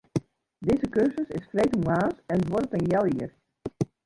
Dizze kursus is freedtemoarns en duorret in heal jier.